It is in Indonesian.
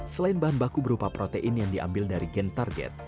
selain bahan baku berupa protein yang diambil dari gen target